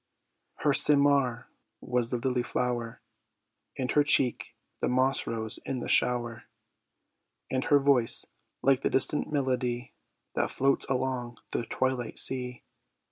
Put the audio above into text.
Her seymar was the lily flower, And her cheek the moss rose in the shower; And her voice like the distant melody That floats along the twilight sea.